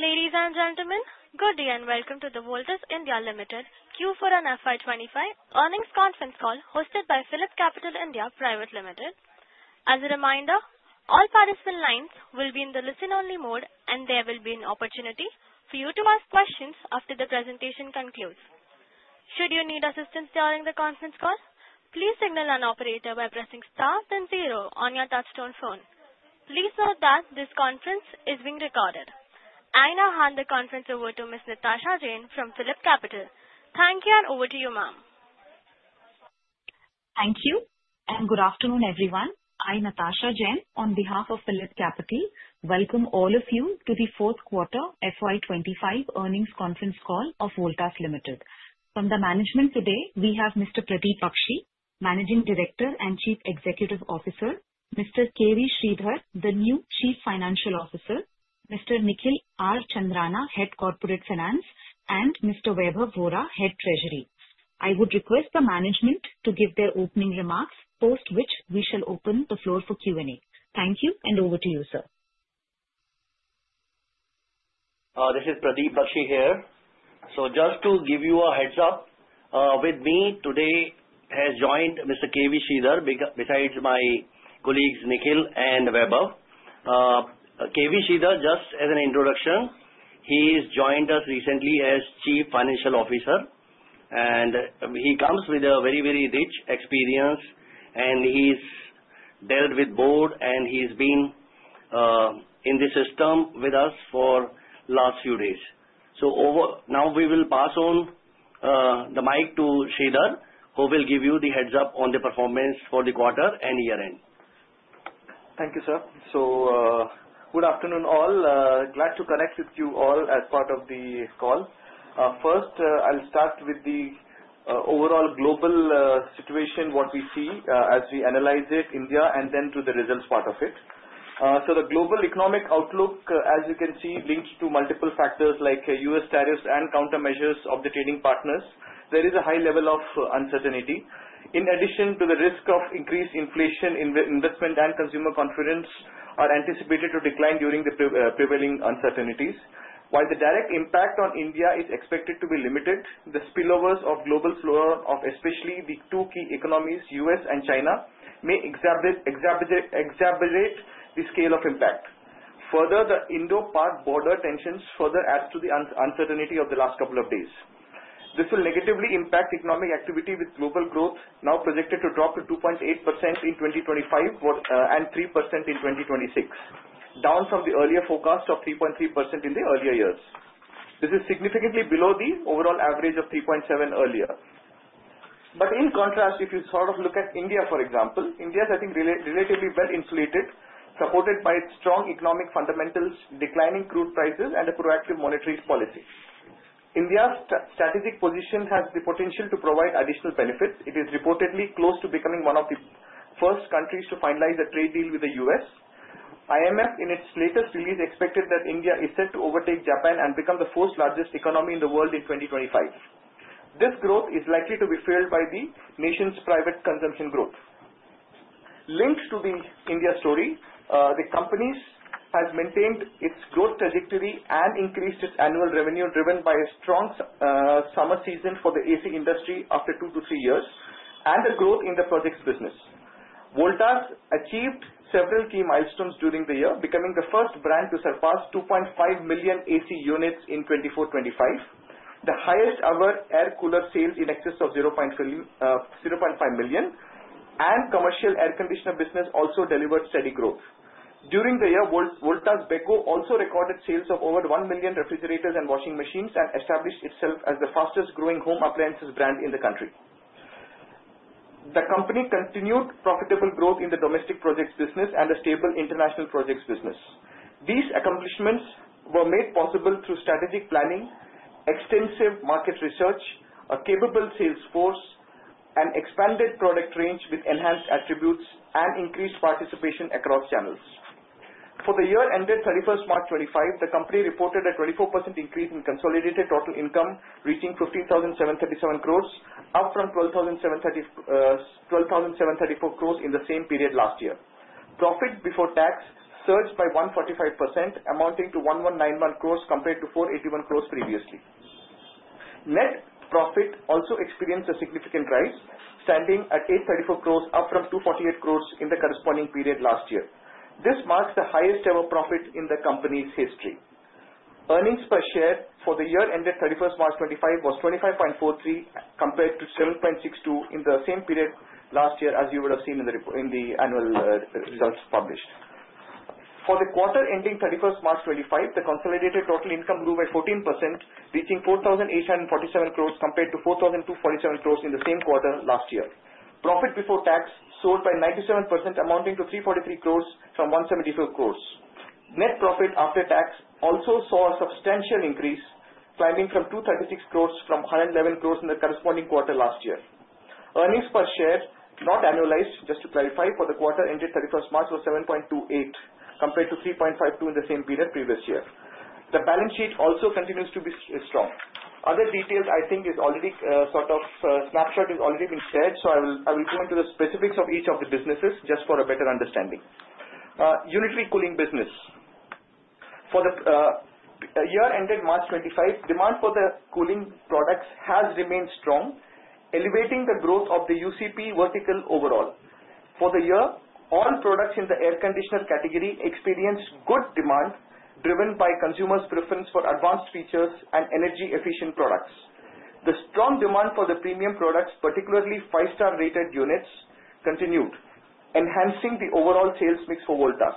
Ladies and gentlemen, good day and welcome to the Voltas Limited Q4 and FY2025 earnings conference call hosted by Philips Capital India Private Limited. As a reminder, all participant lines will be in the listen-only mode, and there will be an opportunity for you to ask questions after the presentation concludes. Should you need assistance during the conference call, please signal an operator by pressing star then zero on your touch-tone phone. Please note that this conference is being recorded. I now hand the conference over to Ms. Natasha Jain from Philips Capital. Thank you, and over to you, ma'am. Thank you, and good afternoon, everyone. I'm Natasha Jain on behalf of Philips Capital. Welcome all of you to the fourth quarter FY2025 earnings conference call of Voltas Limited. From the management today, we have Mr. Pradeep Bakshi, Managing Director and Chief Executive Officer, Mr. K.V. Sridhar, the new Chief Financial Officer, Mr. Nikhil R. Chandrana, Head Corporate Finance, and Mr. Veba Vora, Head Treasury. I would request the management to give their opening remarks, post which we shall open the floor for Q&A. Thank you, and over to you, sir. This is Pradeep Bakshi here. Just to give you a heads-up, with me today has joined Mr. K.V. Sridhar, besides my colleagues Nikhil and Veba. K.V. Sridhar, just as an introduction, he's joined us recently as Chief Financial Officer, and he comes with a very, very rich experience, and he's dealt with board, and he's been in the system with us for the last few days. Now we will pass on the mic to Sridhar, who will give you the heads-up on the performance for the quarter and year-end. Thank you, sir. Good afternoon, all. Glad to connect with you all as part of the call. First, I'll start with the overall global situation, what we see as we analyze it in India, and then to the results part of it. The global economic outlook, as you can see, links to multiple factors like U.S. tariffs and countermeasures of the trading partners. There is a high level of uncertainty. In addition to the risk of increased inflation, investment and consumer confidence are anticipated to decline during the prevailing uncertainties. While the direct impact on India is expected to be limited, the spillovers of global flow, especially the two key economies, U.S. and China, may exaggerate the scale of impact. Further, the Indo-Pak border tensions further add to the uncertainty of the last couple of days. This will negatively impact economic activity with global growth now projected to drop to 2.8% in 2025 and 3% in 2026, down from the earlier forecast of 3.3% in the earlier years. This is significantly below the overall average of 3.7% earlier. In contrast, if you sort of look at India, for example, India is, I think, relatively well-insulated, supported by strong economic fundamentals, declining crude prices, and a proactive monetary policy. India's strategic position has the potential to provide additional benefits. It is reportedly close to becoming one of the first countries to finalize a trade deal with the U.S. IMF, in its latest release, expected that India is set to overtake Japan and become the fourth-largest economy in the world in 2025. This growth is likely to be fueled by the nation's private consumption growth. Linked to the India story, the company has maintained its growth trajectory and increased its annual revenue driven by a strong summer season for the AC industry after two to three years and the growth in the projects business. Voltas achieved several key milestones during the year, becoming the first brand to surpass 2.5 million AC units in 2024-2025, the highest-ever air cooler sales in excess of 500,000, and commercial air conditioner business also delivered steady growth. During the year, Voltas Beko also recorded sales of over 1 million refrigerators and washing machines and established itself as the fastest-growing home appliances brand in the country. The company continued profitable growth in the domestic projects business and a stable international projects business. These accomplishments were made possible through strategic planning, extensive market research, a capable sales force, an expanded product range with enhanced attributes, and increased participation across channels. For the year ended 31st March 2025, the company reported a 24% increase in consolidated total income reaching 15,737 crore, up from 12,734 crore in the same period last year. Profit before tax surged by 145%, amounting to 1,191 crore compared to 481 crore previously. Net profit also experienced a significant rise, standing at 834 crore, up from 248 crore in the corresponding period last year. This marks the highest-ever profit in the company's history. Earnings per share for the year ended 31st March 2025 was 25.43 compared to 7.62 in the same period last year, as you would have seen in the annual results published. For the quarter ending 31st March 2025, the consolidated total income grew by 14%, reaching 4,847 crore compared to 4,247 crore in the same quarter last year. Profit before tax soared by 97%, amounting to 343 crore from 175 crore. Net profit after tax also saw a substantial increase, climbing from 236 crore from 111 crore in the corresponding quarter last year. Earnings per share, not annualized, just to clarify, for the quarter ended 31 March was 7.28 compared to 3.52 in the same period previous year. The balance sheet also continues to be strong. Other details, I think, is already sort of snapshot is already been shared, so I will go into the specifics of each of the businesses just for a better understanding. Unitary cooling business. For the year ended March 2025, demand for the cooling products has remained strong, elevating the growth of the UCP vertical overall. For the year, all products in the air conditioner category experienced good demand driven by consumers' preference for advanced features and energy-efficient products. The strong demand for the premium products, particularly five-star rated units, continued, enhancing the overall sales mix for Voltas.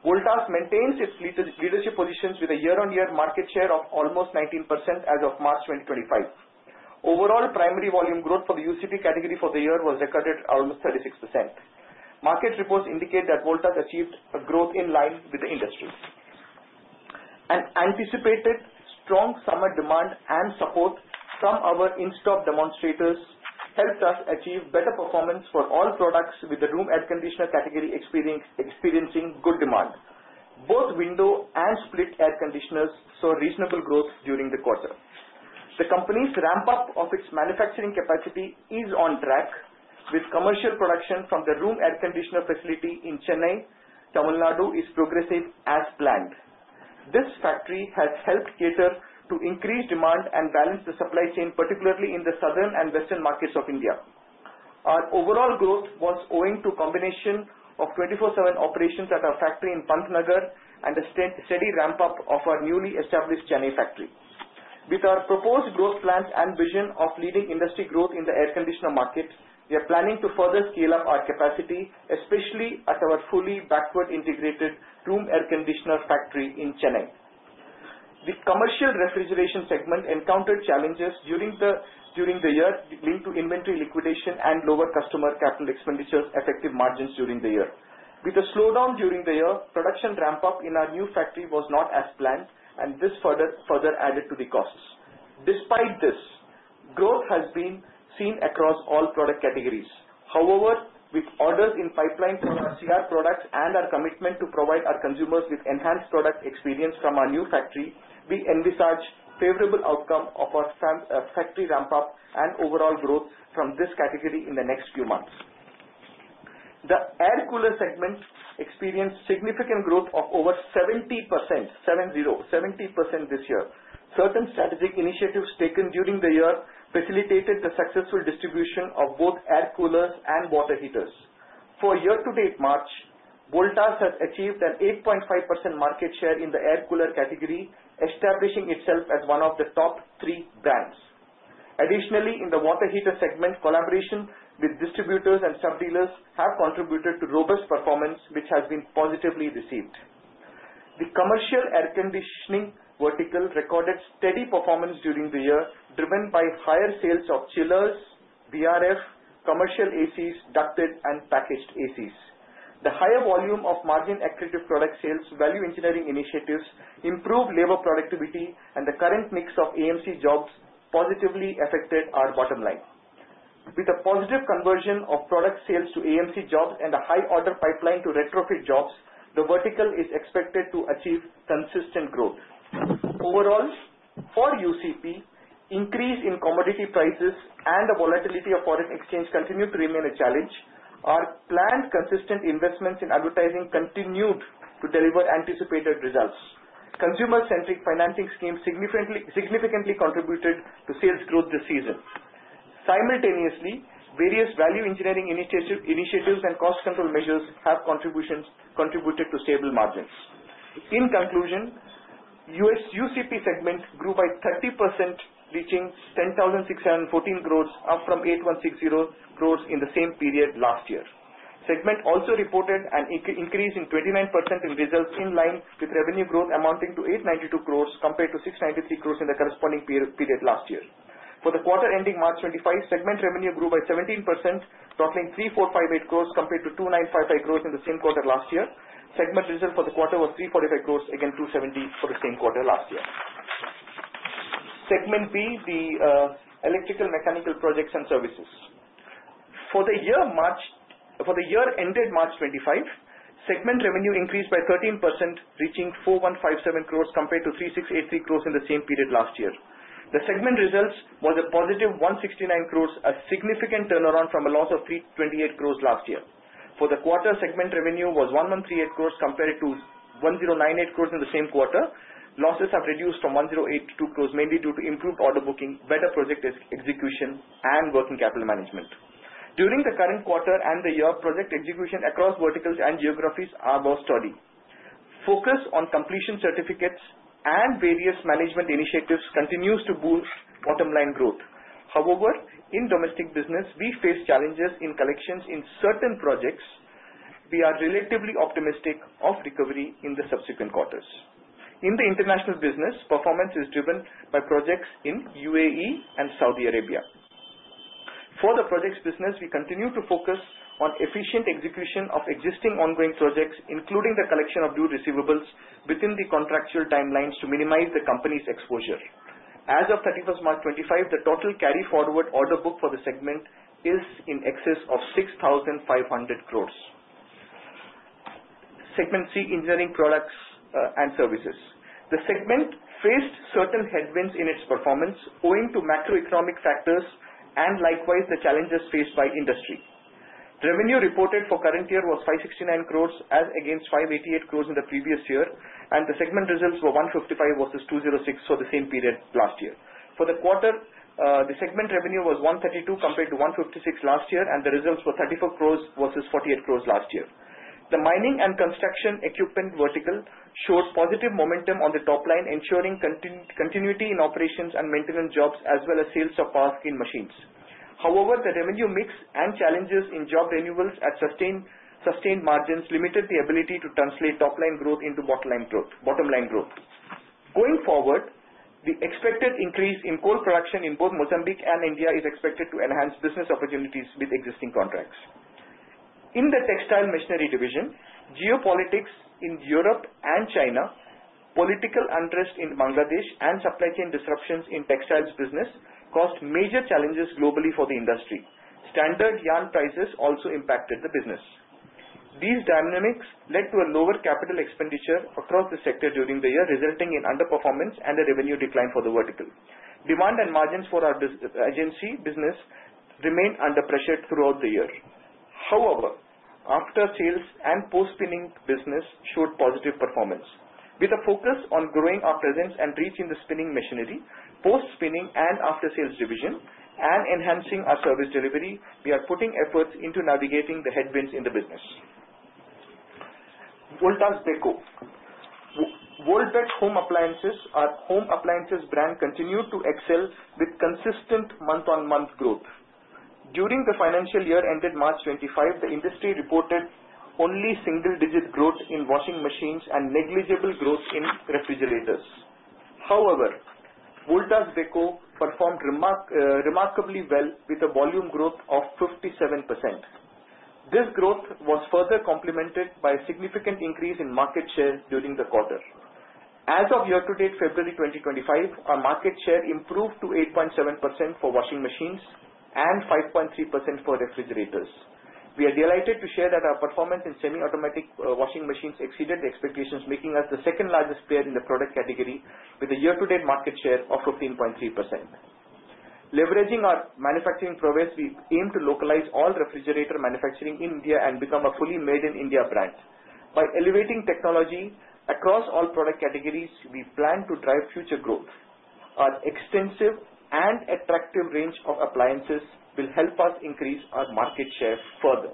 Voltas maintains its leadership positions with a year-on-year market share of almost 19% as of March 2025. Overall, primary volume growth for the UCP category for the year was recorded at almost 36%. Market reports indicate that Voltas achieved a growth in line with the industry. Anticipated strong summer demand and support from our in-stock demonstrators helped us achieve better performance for all products with the room air conditioner category experiencing good demand. Both window and split air conditioners saw reasonable growth during the quarter. The company's ramp-up of its manufacturing capacity is on track, with commercial production from the room air conditioner facility in Chennai, Tamil Nadu, progressing as planned. This factory has helped cater to increased demand and balance the supply chain, particularly in the southern and western markets of India. Our overall growth was owing to a combination of 24/7 operations at our factory in Pantnagar and a steady ramp-up of our newly established Chennai factory. With our proposed growth plans and vision of leading industry growth in the air conditioner market, we are planning to further scale up our capacity, especially at our fully backward integrated room air conditioner factory in Chennai. The commercial refrigeration segment encountered challenges during the year linked to inventory liquidation and lower customer capital expenditures effective margins during the year. With the slowdown during the year, production ramp-up in our new factory was not as planned, and this further added to the costs. Despite this, growth has been seen across all product categories. However, with orders in pipeline for our CR products and our commitment to provide our consumers with enhanced product experience from our new factory, we envisage a favorable outcome of our factory ramp-up and overall growth from this category in the next few months. The air cooler segment experienced significant growth of over 70% this year. Certain strategic initiatives taken during the year facilitated the successful distribution of both air coolers and water heaters. For year-to-date March, Voltas has achieved an 8.5% market share in the air cooler category, establishing itself as one of the top three brands. Additionally, in the water heater segment, collaboration with distributors and sub-dealers have contributed to robust performance, which has been positively received. The commercial air conditioning vertical recorded steady performance during the year, driven by higher sales of chillers, VRF, commercial ACs, ducted, and packaged ACs. The higher volume of margin-accretive product sales, value engineering initiatives, improved labor productivity, and the current mix of AMC jobs positively affected our bottom line. With the positive conversion of product sales to AMC jobs and a high-order pipeline to retrofit jobs, the vertical is expected to achieve consistent growth. Overall, for UCP, increase in commodity prices and the volatility of foreign exchange continue to remain a challenge. Our planned consistent investments in advertising continued to deliver anticipated results. Consumer-centric financing schemes significantly contributed to sales growth this season. Simultaneously, various value engineering initiatives and cost control measures have contributed to stable margins. In conclusion, UCP segment grew by 30%, reaching 10,614 crore, up from 8,160 crore in the same period last year. Segment also reported an increase of 29% in results in line with revenue growth, amounting to 892 crores compared to 693 crores in the corresponding period last year. For the quarter ending March 2025, segment revenue grew by 17%, totaling 3,458 crores compared to 2,955 crores in the same quarter last year. Segment result for the quarter was 345 crores, again 270 crores for the same quarter last year. Segment B, the electrical mechanical projects and services. For the year ended March 2025, segment revenue increased by 13%, reaching 4,157 crores compared to 3,683 crores in the same period last year. The segment results were a positive 169 crores, a significant turnaround from a loss of 328 crores last year. For the quarter, segment revenue was 1,138 crores compared to 1,098 crores in the same quarter. Losses have reduced from 108 crore to 2 crore mainly due to improved order booking, better project execution, and working capital management. During the current quarter and the year, project execution across verticals and geographies is more sturdy. Focus on completion certificates and various management initiatives continues to boost bottom-line growth. However, in domestic business, we face challenges in collections in certain projects. We are relatively optimistic of recovery in the subsequent quarters. In the international business, performance is driven by projects in UAE and Saudi Arabia. For the projects business, we continue to focus on efficient execution of existing ongoing projects, including the collection of due receivables within the contractual timelines to minimize the company's exposure. As of 31st March 2025, the total carryforward order book for the segment is in excess of 6,500 crore. Segment C, engineering products and services. The segment faced certain headwinds in its performance owing to macroeconomic factors and likewise the challenges faced by industry. Revenue reported for current year was 569 crore as against 588 crore in the previous year, and the segment results were 155 crore versus 206 crore for the same period last year. For the quarter, the segment revenue was 132 crore compared to 156 crore last year, and the results were 34 crore versus 48 crore last year. The mining and construction equipment vertical showed positive momentum on the top line, ensuring continuity in operations and maintenance jobs as well as sales of power skin machines. However, the revenue mix and challenges in job renewals at sustained margins limited the ability to translate top-line growth into bottom-line growth. Going forward, the expected increase in coal production in both Mozambique and India is expected to enhance business opportunities with existing contracts. In the textile machinery division, geopolitics in Europe and China, political interest in Bangladesh, and supply chain disruptions in the textiles business caused major challenges globally for the industry. Standard yarn prices also impacted the business. These dynamics led to a lower capital expenditure across the sector during the year, resulting in underperformance and a revenue decline for the vertical. Demand and margins for our agency business remained under pressure throughout the year. However, after-sales and post-spinning business showed positive performance. With a focus on growing our presence and reach in the spinning machinery, post-spinning and after-sales division, and enhancing our service delivery, we are putting efforts into navigating the headwinds in the business. Voltas Beko, our home appliances brand, continued to excel with consistent month-on-month growth. During the financial year ended March 2025, the industry reported only single-digit growth in washing machines and negligible growth in refrigerators. However, Voltas Beko performed remarkably well with a volume growth of 57%. This growth was further complemented by a significant increase in market share during the quarter. As of year-to-date February 2025, our market share improved to 8.7% for washing machines and 5.3% for refrigerators. We are delighted to share that our performance in semi-automatic washing machines exceeded expectations, making us the second largest player in the product category with a year-to-date market share of 15.3%. Leveraging our manufacturing prowess, we aim to localize all refrigerator manufacturing in India and become a fully made-in-India brand. By elevating technology across all product categories, we plan to drive future growth. Our extensive and attractive range of appliances will help us increase our market share further.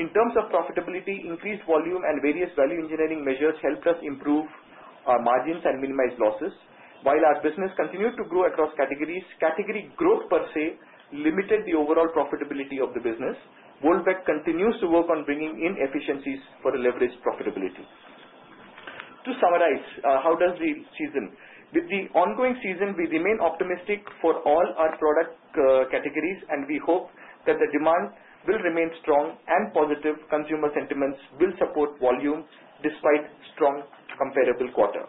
In terms of profitability, increased volume and various value engineering measures helped us improve our margins and minimize losses. While our business continued to grow across categories, category growth per se limited the overall profitability of the business. Voltas continues to work on bringing in efficiencies for leveraged profitability. To summarize, how does the season? With the ongoing season, we remain optimistic for all our product categories, and we hope that the demand will remain strong and positive. Consumer sentiments will support volume despite strong comparable quarter.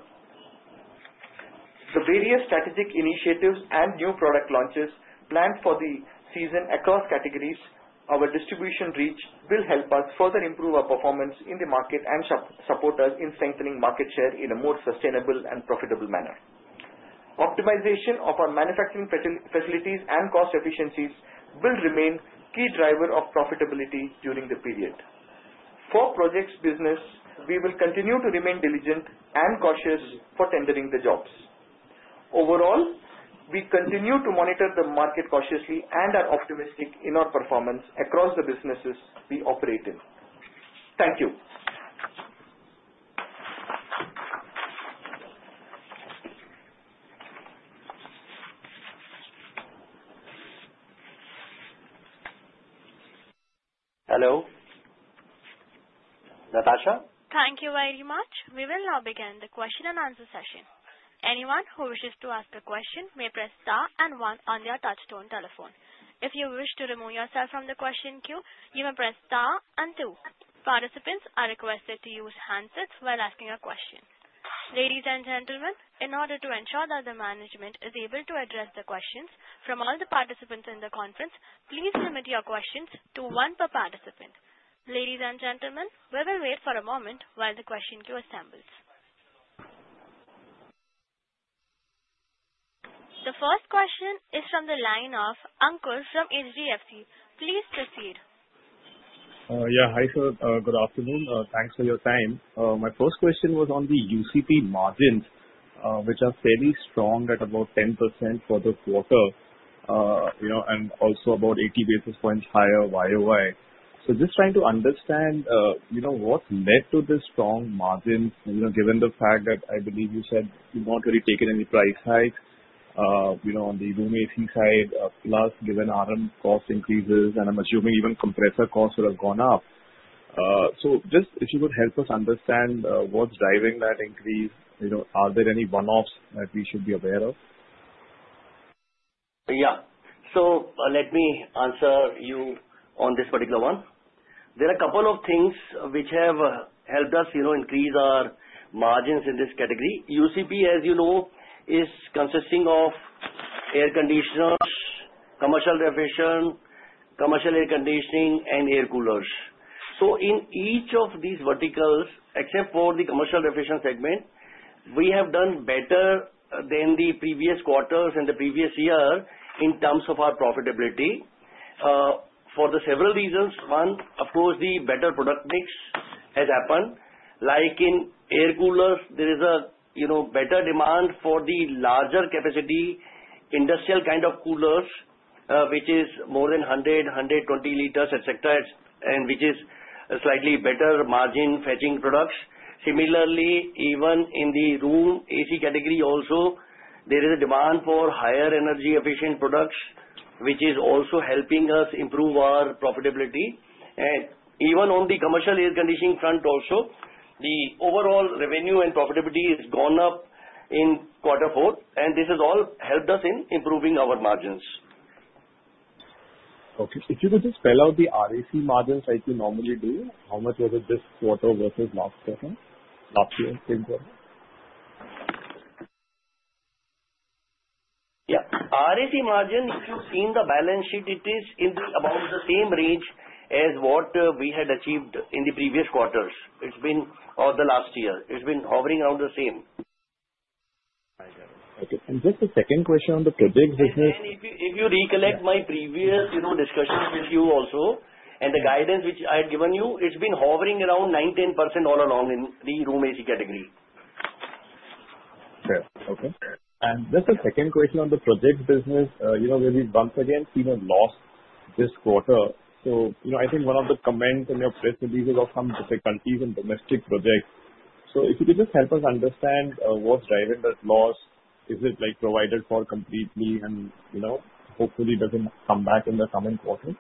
The various strategic initiatives and new product launches planned for the season across categories, our distribution reach will help us further improve our performance in the market and support us in strengthening market share in a more sustainable and profitable manner. Optimization of our manufacturing facilities and cost efficiencies will remain key drivers of profitability during the period. For projects business, we will continue to remain diligent and cautious for tendering the jobs. Overall, we continue to monitor the market cautiously and are optimistic in our performance across the businesses we operate in. Thank you. Hello. Natasha. Thank you very much. We will now begin the question and answer session. Anyone who wishes to ask a question may press star and one on their touchstone telephone. If you wish to remove yourself from the question queue, you may press star and two. Participants are requested to use handsets while asking a question. Ladies and gentlemen, in order to ensure that the management is able to address the questions from all the participants in the conference, please limit your questions to one per participant. Ladies and gentlemen, we will wait for a moment while the question queue assembles. The first question is from the line of Ankur from HDFC. Please proceed. Yeah, hi. So good afternoon. Thanks for your time. My first question was on the UCP margins, which are fairly strong at about 10% for the quarter, and also about 80 basis points higher year over year. Just trying to understand what led to the strong margins, given the fact that I believe you said you have not really taken any price hikes on the room AC side, plus given RM cost increases, and I am assuming even compressor costs would have gone up. Just if you could help us understand what is driving that increase, are there any one-offs that we should be aware of? Yeah. Let me answer you on this particular one. There are a couple of things which have helped us increase our margins in this category. UCP, as you know, is consisting of air conditioners, commercial refrigeration, commercial air conditioning, and air coolers. In each of these verticals, except for the commercial refrigeration segment, we have done better than the previous quarters and the previous year in terms of our profitability for several reasons. One, of course, the better product mix has happened. Like in air coolers, there is a better demand for the larger capacity industrial kind of coolers, which is more than 100-120 liters, etc., and which is slightly better margin fetching products. Similarly, even in the room AC category, also, there is a demand for higher energy efficient products, which is also helping us improve our profitability. Even on the commercial air conditioning front, also, the overall revenue and profitability has gone up in quarter four, and this has all helped us in improving our margins. Okay. If you could just spell out the RAC margins like you normally do, how much was it this quarter versus last year? Yeah. RAC margin, if you've seen the balance sheet, it is about the same range as what we had achieved in the previous quarters. It's been all the last year. It's been hovering around the same. I got it. Okay. Just a second question on the project business. If you recollect my previous discussion with you also and the guidance which I had given you, it's been hovering around 9-10% all along in the room AC category. Fair. Okay. Just a second question on the project business, where we once again see a loss this quarter. I think one of the comments in your press release is of some difficulties in domestic projects. If you could just help us understand what's driving that loss, is it provided for completely and hopefully doesn't come back in the coming quarter?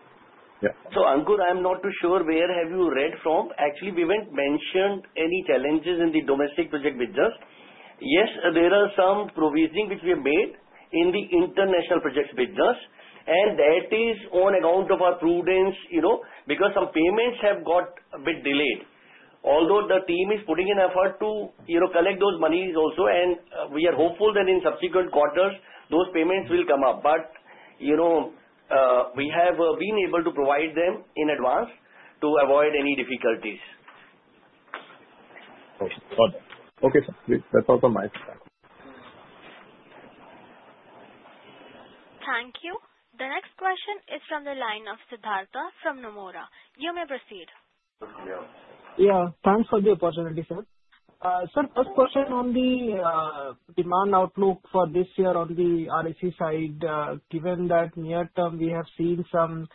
Yeah. Ankur, I'm not too sure where have you read from. Actually, we haven't mentioned any challenges in the domestic project business. Yes, there are some provisioning which we have made in the international projects business, and that is on account of our prudence because some payments have got a bit delayed. Although the team is putting in effort to collect those monies also, and we are hopeful that in subsequent quarters, those payments will come up. We have been able to provide them in advance to avoid any difficulties. Okay. Got it. Okay, sir. That's all from my side. Thank you. The next question is from the line of Siddharta from Nomura. You may proceed. Yeah. Thanks for the opportunity, sir. Sir, first question on the demand outlook for this year on the RAC side, given that near-term we have seen some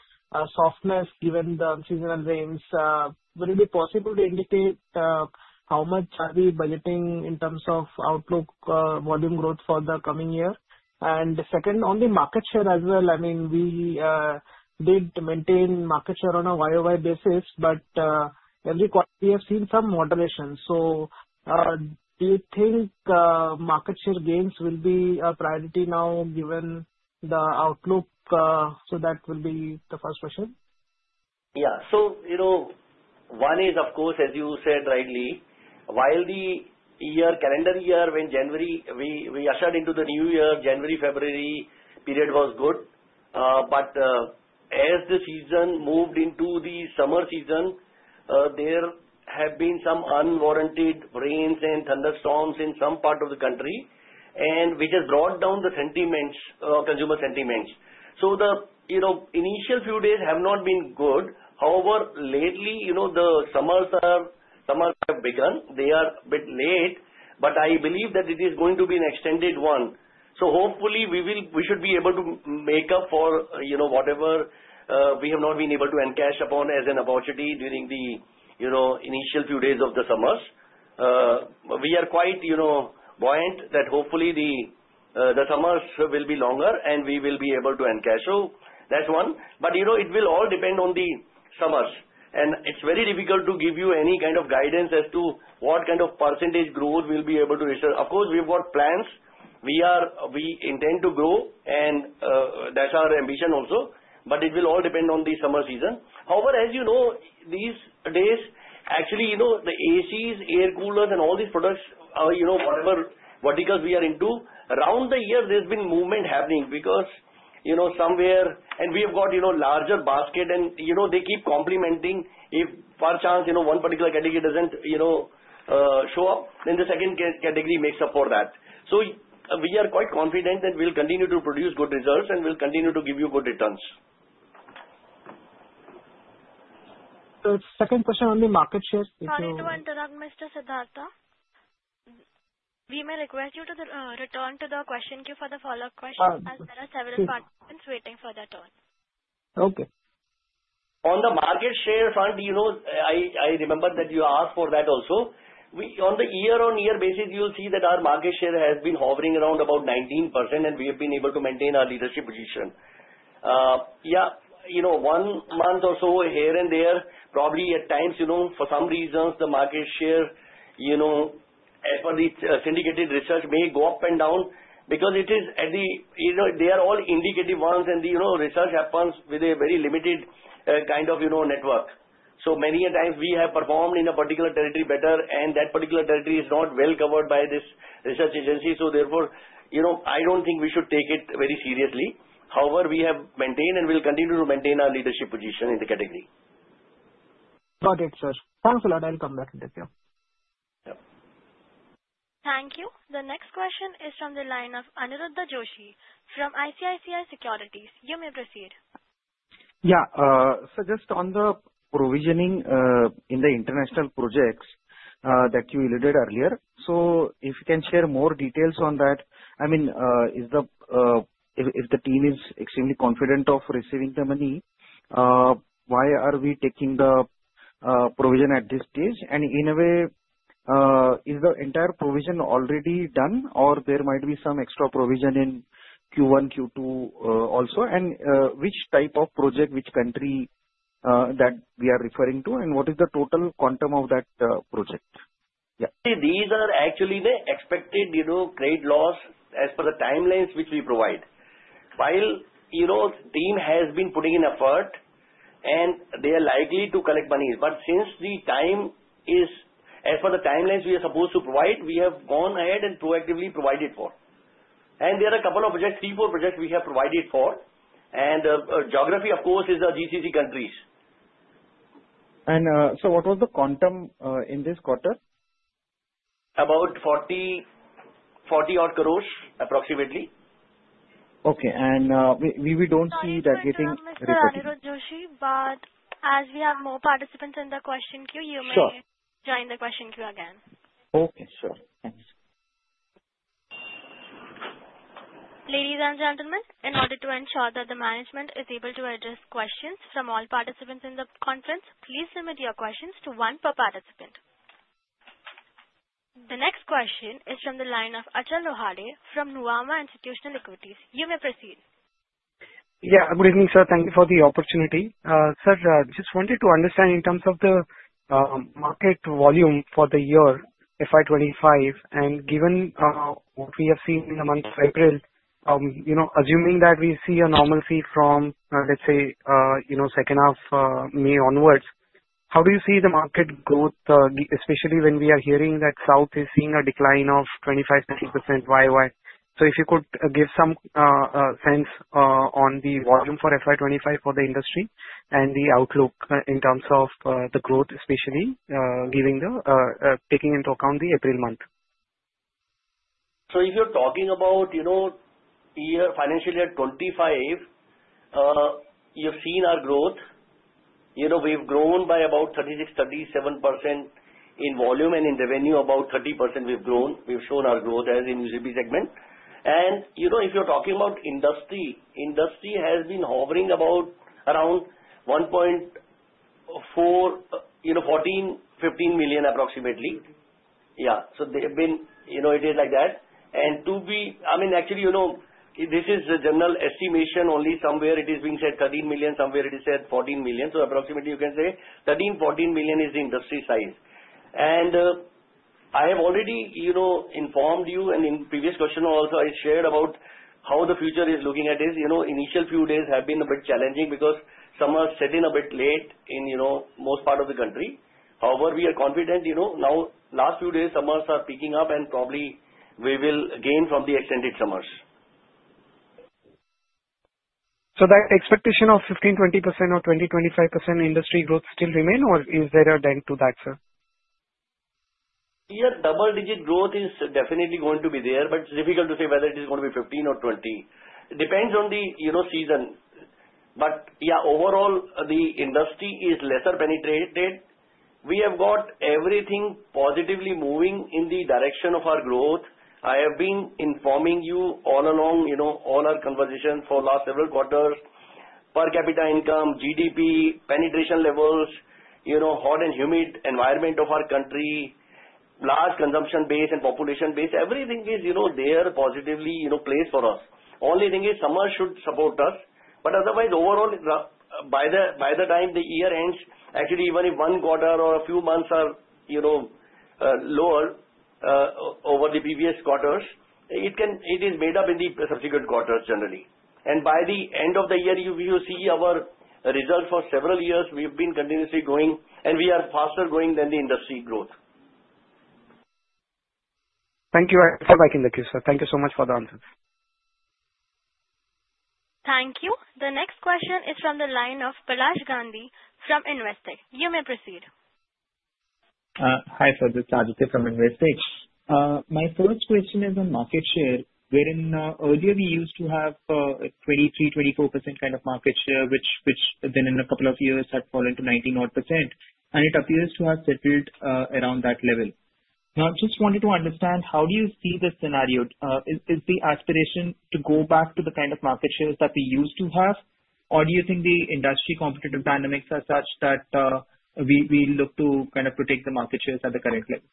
softness given the seasonal rains, will it be possible to indicate how much are we budgeting in terms of outlook volume growth for the coming year? Second, on the market share as well, I mean, we did maintain market share on a year-over-year basis, but every quarter we have seen some moderation. Do you think market share gains will be a priority now given the outlook? That will be the first question. Yeah. One is, of course, as you said rightly, while the calendar year went January, we ushered into the new year. January, February period was good. As the season moved into the summer season, there have been some unwarranted rains and thunderstorms in some parts of the country, which has brought down the consumer sentiments. The initial few days have not been good. However, lately, the summers have begun. They are a bit late, but I believe that it is going to be an extended one. Hopefully, we should be able to make up for whatever we have not been able to encash upon as an opportunity during the initial few days of the summers. We are quite buoyant that hopefully the summers will be longer and we will be able to encash. That is one. It will all depend on the summers. It is very difficult to give you any kind of guidance as to what kind of % growth we will be able to assure. Of course, we have got plans. We intend to grow, and that's our ambition also. It will all depend on the summer season. However, as you know, these days, actually, the ACs, air coolers, and all these products, whatever verticals we are into, around the year, there's been movement happening because somewhere, and we have got larger basket, and they keep complementing. If by chance one particular category doesn't show up, then the second category makes up for that. We are quite confident that we'll continue to produce good results and we'll continue to give you good returns. Second question on the market share, if you— Sorry to interrupt, Mr. Siddharta. We may request you to return to the question queue for the follow-up question as there are several participants waiting for their turn. Okay. On the market share front, I remember that you asked for that also. On the year-on-year basis, you'll see that our market share has been hovering around about 19%, and we have been able to maintain our leadership position. Yeah. One month or so here and there, probably at times, for some reasons, the market share, as per the syndicated research, may go up and down because it is at the—they are all indicative ones, and the research happens with a very limited kind of network. So many times, we have performed in a particular territory better, and that particular territory is not well covered by this research agency. Therefore, I don't think we should take it very seriously. However, we have maintained and will continue to maintain our leadership position in the category. Got it, sir. Thanks a lot. I'll come back with it. Yeah. Thank you. The next question is from the line of Aniruddha Joshi from ICICI Securities. You may proceed. Yeah. Just on the provisioning in the international projects that you alluded earlier, if you can share more details on that. I mean, if the team is extremely confident of receiving the money, why are we taking the provision at this stage? In a way, is the entire provision already done, or there might be some extra provision in Q1, Q2 also? Which type of project, which country that we are referring to, and what is the total quantum of that project? Yeah. See, these are actually the expected trade loss as per the timelines which we provide. While the team has been putting in effort, and they are likely to collect money, since the time is—as per the timelines we are supposed to provide, we have gone ahead and proactively provided for. There are a couple of projects, three, four projects we have provided for. The geography, of course, is GCC countries. What was the quantum in this quarter? About INR 40 crore, approximately. Okay. We do not see that getting— Sorry, Mr. Aniruddha Joshi, but as we have more participants in the question queue, you may join the question queue again. Okay, sir. Thanks. Ladies and gentlemen, in order to ensure that the management is able to address questions from all participants in the conference, please limit your questions to one per participant. The next question is from the line of Achal Lohade from Nuvama Institutional Equities. You may proceed. Yeah. Good evening, sir. Thank you for the opportunity. Sir, just wanted to understand in terms of the market volume for the year FY2025, and given what we have seen in the month of April, assuming that we see a normalcy from, let's say, second half of May onwards, how do you see the market growth, especially when we are hearing that South is seeing a decline of 25-30% year over year? If you could give some sense on the volume for FY2025 for the industry and the outlook in terms of the growth, especially taking into account the April month. If you're talking about financial year 2025, you've seen our growth. We've grown by about 36-37% in volume and in revenue, about 30% we've grown. We've shown our growth as in UCP segment. If you're talking about industry, industry has been hovering around 1.14-1.15 million approximately. Yeah. It is like that. I mean, actually, this is the general estimation only. Somewhere it is being said 13 million, somewhere it is said 14 million. Approximately, you can say 13-14 million is the industry size. I have already informed you, and in the previous question also, I shared about how the future is looking at this. Initial few days have been a bit challenging because summers set in a bit late in most parts of the country. However, we are confident now, last few days, summers are picking up, and probably we will gain from the extended summers. That expectation of 15-20%, or 20-25% industry growth still remains, or is there a dent to that, sir? Yeah. Double-digit growth is definitely going to be there, but it is difficult to say whether it is going to be 15 or 20. It depends on the season. Yeah, overall, the industry is lesser penetrated. We have got everything positively moving in the direction of our growth. I have been informing you all along, all our conversations for the last several quarters, per capita income, GDP, penetration levels, hot and humid environment of our country, large consumption base and population base. Everything is there positively placed for us. The only thing is summers should support us. Otherwise, overall, by the time the year ends, actually, even if one quarter or a few months are lower over the previous quarters, it is made up in the subsequent quarters generally. By the end of the year, if you see our result for several years, we have been continuously growing, and we are faster growing than the industry growth. Thank you. I feel like I interrupted you, sir. Thank you so much for the answers. Thank you. The next question is from the line of Palaash Gandhi from Investec. You may proceed. Hi, sir. This is Ajay from Investech. My first question is on market share, wherein earlier we used to have a 23-24% kind of market share, which then in a couple of years had fallen to 19-odd percent, and it appears to have settled around that level. Now, I just wanted to understand, how do you see the scenario? Is the aspiration to go back to the kind of market shares that we used to have, or do you think the industry competitive dynamics are such that we look to kind of protect the market shares at the current level?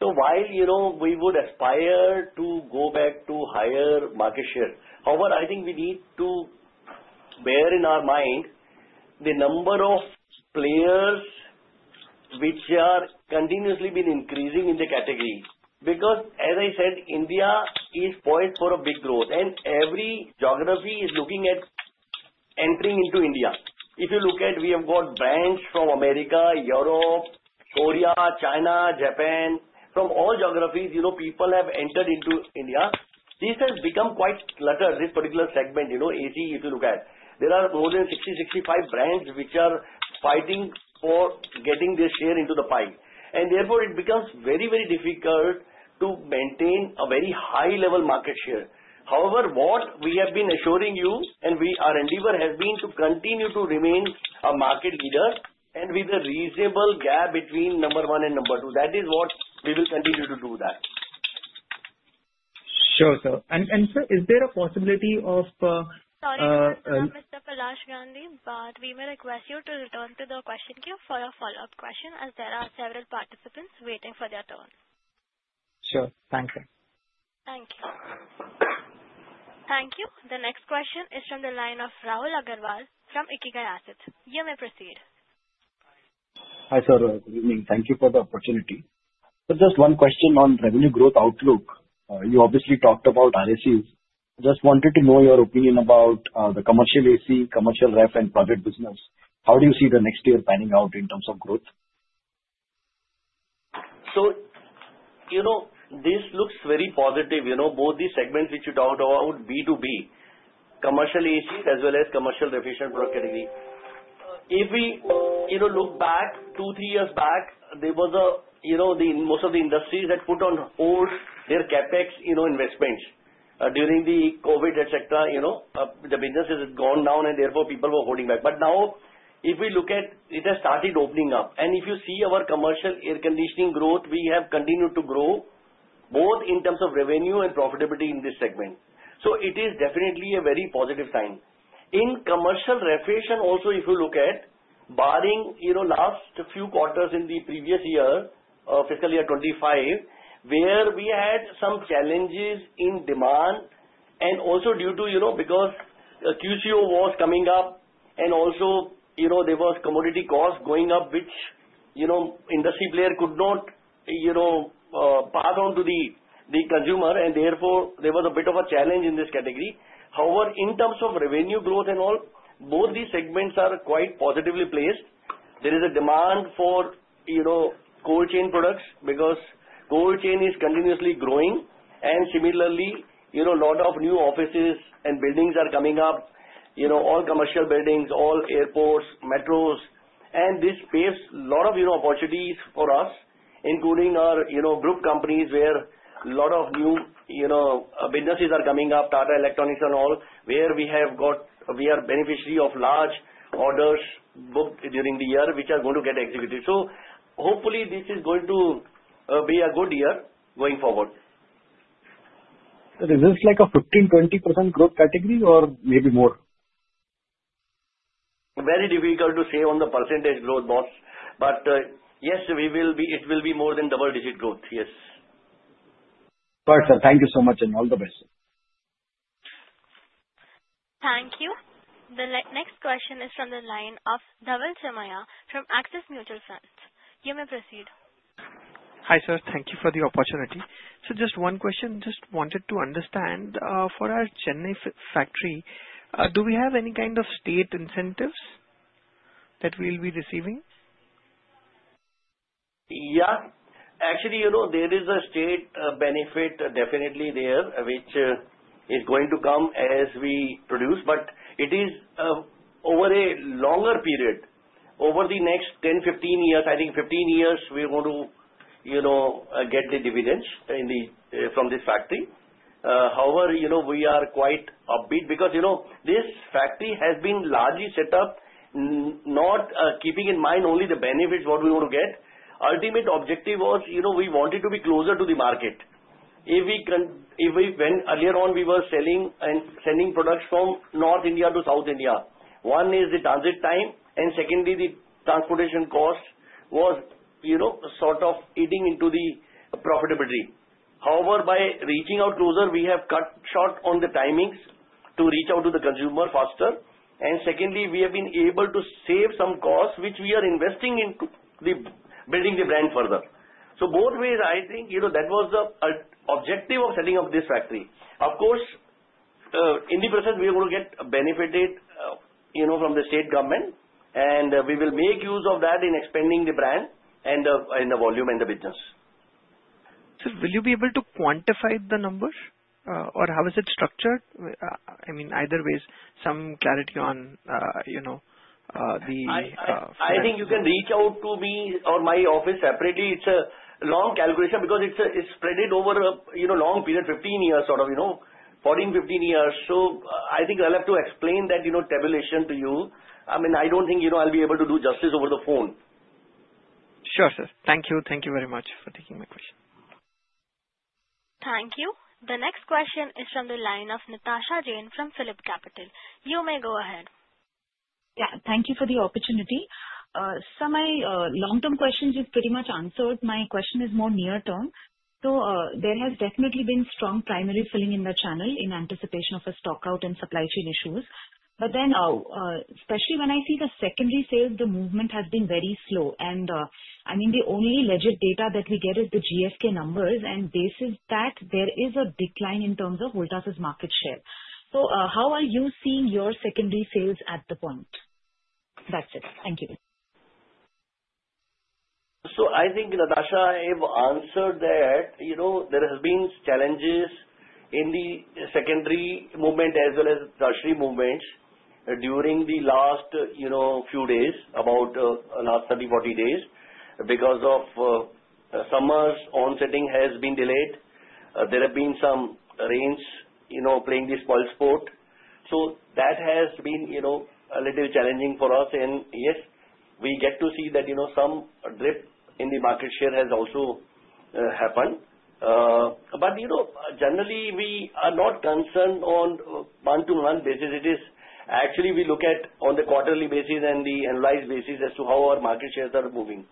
While we would aspire to go back to higher market share, however, I think we need to bear in our mind the number of players which are continuously being increasing in the category. Because, as I said, India is poised for a big growth, and every geography is looking at entering into India. If you look at, we have got brands from America, Europe, Korea, China, Japan. From all geographies, people have entered into India. This has become quite cluttered, this particular segment, AC, if you look at. There are more than 60-65 brands which are fighting for getting their share into the pie. Therefore, it becomes very, very difficult to maintain a very high-level market share. However, what we have been assuring you, and we are endeavor, has been to continue to remain a market leader and with a reasonable gap between number one and number two. That is what we will continue to do that. Sure, sir. And sir, is there a possibility of— Sorry, sir. Sorry, Mr. Palaash Gandhi, but we may request you to return to the question queue for a follow-up question as there are several participants waiting for their turn. Sure. Thank you. Thank you. Thank you. The next question is from the line of Rahul Agarwal from Ikigai Assets. You may proceed. Hi, sir. Good evening. Thank you for the opportunity. Just one question on revenue growth outlook. You obviously talked about RACS. I just wanted to know your opinion about the commercial AC, commercial ref, and private business. How do you see the next year panning out in terms of growth? This looks very positive. Both the segments which you talked about, B to B, commercial ACs as well as commercial refresher product category. If we look back two, three years back, most of the industries had put on hold their CapEx investments during the COVID, etc. The businesses had gone down, and therefore, people were holding back. Now, if we look at it, it has started opening up. If you see our commercial air conditioning growth, we have continued to grow both in terms of revenue and profitability in this segment. It is definitely a very positive sign. In commercial refrigeration also, if you look at, barring last few quarters in the previous year, fiscal year 2025, where we had some challenges in demand and also due to because QCO was coming up, and also there was commodity cost going up, which industry player could not pass on to the consumer, and therefore, there was a bit of a challenge in this category. However, in terms of revenue growth and all, both these segments are quite positively placed. There is a demand for cold chain products because cold chain is continuously growing, and similarly, a lot of new offices and buildings are coming up, all commercial buildings, all airports, metros. This paves a lot of opportunities for us, including our group companies where a lot of new businesses are coming up, Tata Electronics and all, where we have got—we are beneficiary of large orders booked during the year which are going to get executed. Hopefully, this is going to be a good year going forward. Does this look like a 15%-20% growth category or maybe more? Very difficult to say on the % growth, boss. Yes, it will be more than double-digit growth, yes. Perfect. Thank you so much, and all the best, sir. Thank you. The next question is from the line of Daval Chimaya from Axis Mutual Funds. You may proceed. Hi, sir. Thank you for the opportunity. Just one question. Just wanted to understand, for our Chennai factory, do we have any kind of state incentives that we will be receiving? Yeah. Actually, there is a state benefit definitely there which is going to come as we produce, but it is over a longer period. Over the next 10-15 years, I think 15 years, we are going to get the dividends from this factory. However, we are quite upbeat because this factory has been largely set up, not keeping in mind only the benefits, what we want to get. The ultimate objective was we wanted to be closer to the market. If we went earlier on, we were sending products from North India to South India. One is the transit time, and secondly, the transportation cost was sort of eating into the profitability. However, by reaching out closer, we have cut short on the timings to reach out to the consumer faster. Secondly, we have been able to save some costs which we are investing into building the brand further. Both ways, I think that was the objective of setting up this factory. Of course, in the process, we are going to get benefited from the state government, and we will make use of that in expanding the brand and the volume and the business. Will you be able to quantify the numbers or how is it structured? I mean, either way, some clarity on the—I think you can reach out to me or my office separately. It is a long calculation because it is spread over a long period, 15 years, sort of 14-15 years. I think I will have to explain that tabulation to you. I do not think I will be able to do justice over the phone. Sure, sir. Thank you. Thank you very much for taking my question. Thank you. The next question is from the line of Natasha Jain from Philips Capital India Private Limited. You may go ahead. Yeah. Thank you for the opportunity. Some of my long-term questions you've pretty much answered. My question is more near-term. There has definitely been strong primary filling in the channel in anticipation of a stockout and supply chain issues. I mean, especially when I see the secondary sales, the movement has been very slow. I mean, the only legit data that we get is the GSK numbers, and basis that there is a decline in terms of Voltas's market share. How are you seeing your secondary sales at the point? That's it. Thank you. I think Natasha has answered that there have been challenges in the secondary movement as well as tertiary movement during the last few days, about the last 30-40 days, because of summers onsetting has been delayed. There have been some rains playing this false sport. That has been a little challenging for us. Yes, we get to see that some drip in the market share has also happened. Generally, we are not concerned on a month-to-month basis. Actually, we look at it on the quarterly basis and the annualized basis as to how our market shares are moving.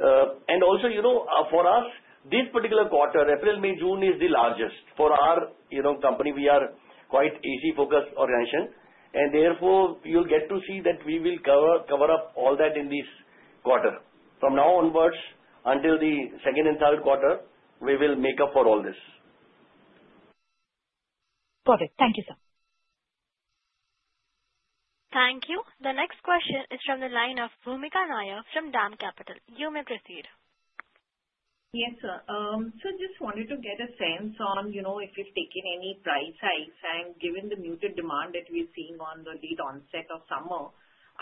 Also, for us, this particular quarter, April, May, June, is the largest for our company. We are quite an AC-focused organization. Therefore, you'll get to see that we will cover up all that in this quarter. From now onwards, until the second and third quarter, we will make up for all this. Perfect. Thank you, sir. Thank you. The next question is from the line of Vumika Nayar from Dam Capital. You may proceed. Yes, sir. Just wanted to get a sense on if you've taken any price hikes and given the muted demand that we're seeing on the lead onset of summer,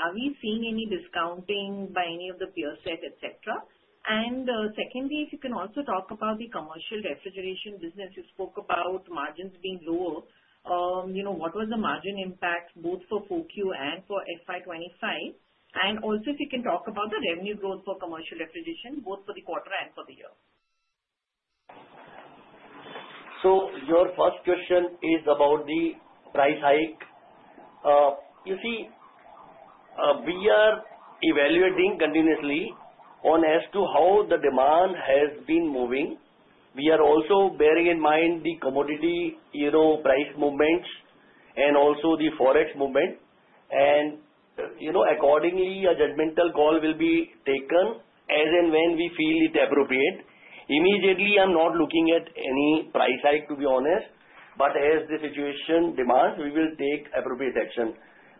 are we seeing any discounting by any of the peer set, etc.? Secondly, if you can also talk about the commercial refrigeration business. You spoke about margins being lower. What was the margin impact both for FOQ and for FI25? Also, if you can talk about the revenue growth for commercial refrigeration, both for the quarter and for the year. Your first question is about the price hike. You see, we are evaluating continuously as to how the demand has been moving. We are also bearing in mind the commodity price movements and also the forex movement. Accordingly, a judgmental call will be taken as and when we feel it appropriate. Immediately, I'm not looking at any price hike, to be honest. As the situation demands, we will take appropriate action.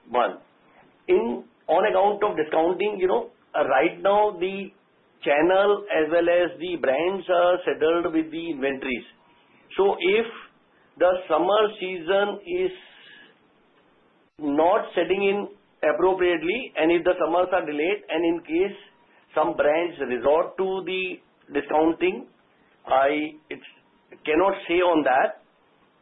One, on account of discounting, right now, the channel as well as the brands are settled with the inventories. If the summer season is not setting in appropriately, and if the summers are delayed, and in case some brands resort to the discounting, I cannot say on that.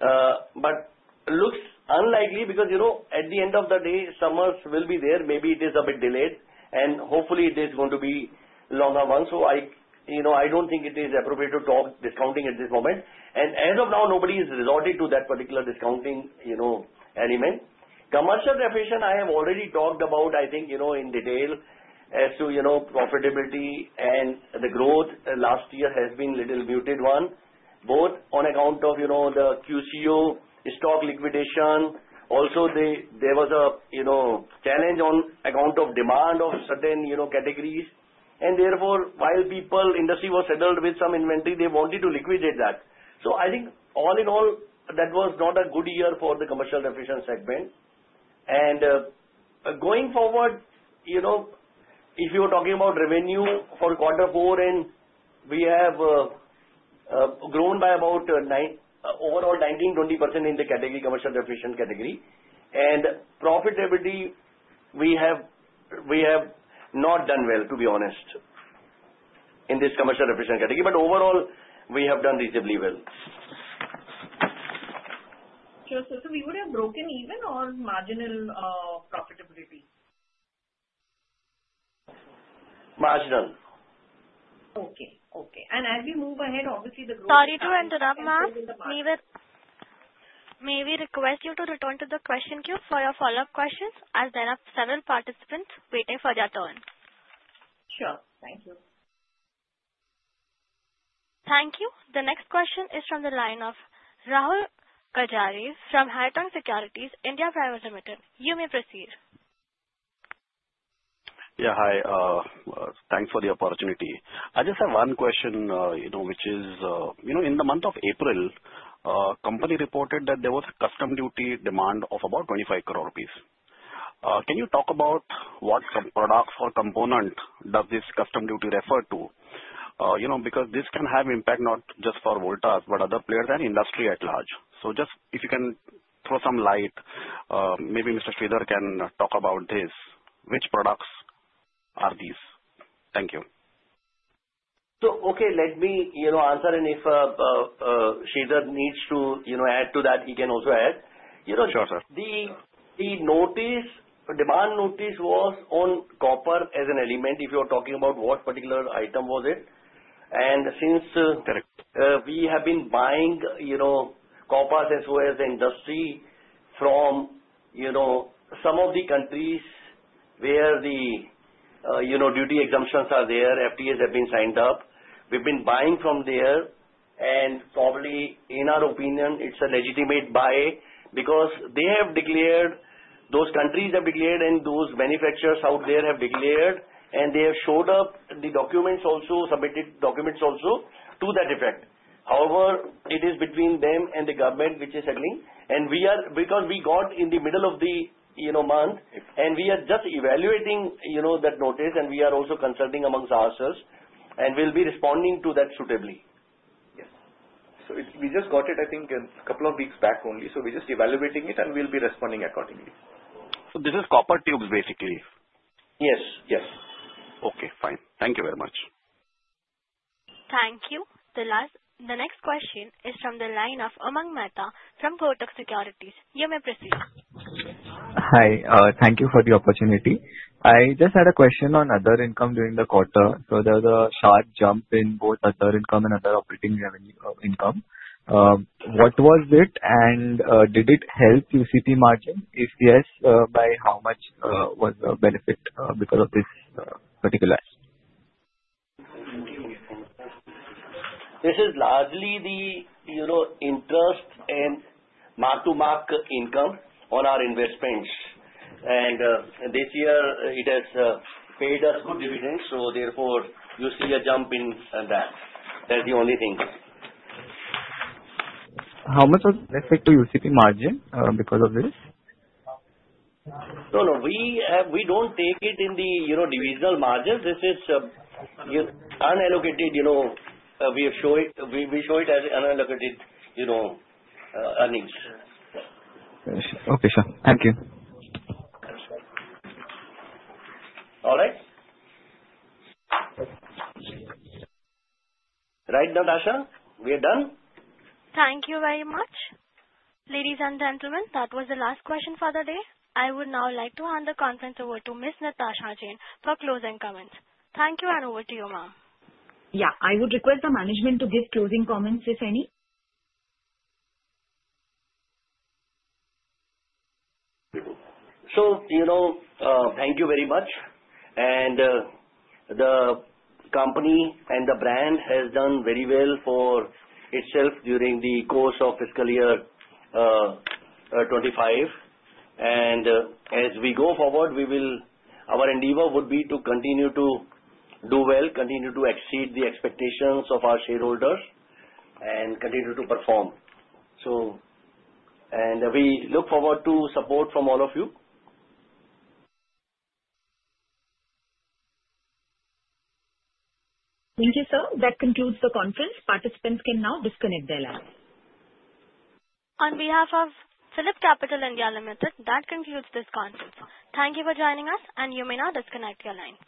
It looks unlikely because at the end of the day, summers will be there. Maybe it is a bit delayed, and hopefully, it is going to be longer months. I do not think it is appropriate to talk discounting at this moment. As of now, nobody has resorted to that particular discounting element. Commercial refrigeration, I have already talked about, I think, in detail as to profitability, and the growth last year has been a little muted one, both on account of the QCO stock liquidation. Also, there was a challenge on account of demand of certain categories. Therefore, while people, industry were settled with some inventory, they wanted to liquidate that. I think all in all, that was not a good year for the commercial refrigeration segment. Going forward, if you're talking about revenue for quarter four, we have grown by about overall 19-20% in the commercial refrigeration category. Profitability, we have not done well, to be honest, in this commercial refrigeration category. Overall, we have done reasonably well. Sure, sir. We would have broken even on marginal profitability? Marginal. Okay. Okay. As we move ahead, obviously, the growth— Sorry to interrupt, ma'am. May we request you to return to the question queue for your follow-up questions as there are several participants waiting for their turn? Sure. Thank you. Thank you. The next question is from the line of Rahul Gajare from Hariton Securities India Private Limited. You may proceed. Yeah. Hi. Thanks for the opportunity. I just have one question, which is in the month of April, company reported that there was a custom duty demand of about 250,000,000 rupees. Can you talk about what products or component does this custom duty refer to? Because this can have impact not just for Holdaf, but other players and industry at large. Just if you can throw some light, maybe Mr. Sridhar can talk about this. Which products are these? Thank you. Okay, let me answer, and if Sridhar needs to add to that, he can also add. Sure, sir. The demand notice was on copper as an element if you're talking about what particular item was it. Since we have been buying copper as well as the industry from some of the countries where the duty exemptions are there, FTAs have been signed up, we've been buying from there. Probably, in our opinion, it's a legitimate buy because they have declared, those countries have declared, and those manufacturers out there have declared, and they have showed up the documents also, submitted documents also to that effect. However, it is between them and the government which is settling. Because we got in the middle of the month, we are just evaluating that notice, and we are also consulting amongst ourselves, and we'll be responding to that suitably. Yes. We just got it, I think, a couple of weeks back only. We're just evaluating it, and we'll be responding accordingly. This is copper tubes, basically? Yes. Yes. Okay. Fine. Thank you very much. Thank you. The next question is from the line of Umang Mehta from Protect Securities. You may proceed. Hi. Thank you for the opportunity. I just had a question on other income during the quarter. There was a sharp jump in both other income and other operating revenue income. What was it, and did it help QCP margin? If yes, by how much was the benefit because of this particular? This is largely the interest and mark-to-mark income on our investments. This year, it has paid us good dividends. Therefore, you see a jump in that. That's the only thing. How much was affected to UCP margin because of this? No, no. We do not take it in the divisional margins. This is unallocated. We show it as unallocated earnings. Okay. Sure. Thank you. All right. Right now, Natasha, we are done. Thank you very much. Ladies and gentlemen, that was the last question for the day. I would now like to hand the conference over to Ms. Natasha Jain for closing comments. Thank you, and over to you, ma'am. Yeah. I would request the management to give closing comments, if any. Thank you very much. The company and the brand has done very well for itself during the course of fiscal year 2025. As we go forward, our endeavor would be to continue to do well, continue to exceed the expectations of our shareholders, and continue to perform. We look forward to support from all of you. Thank you, sir. That concludes the conference. Participants can now disconnect their lines. On behalf of Philips Capital India Private Limited, that concludes this conference. Thank you for joining us, and you may now disconnect your line.